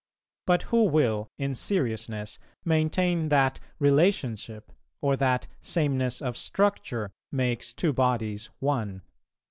But who will in seriousness maintain that relationship, or that sameness of structure, makes two bodies one?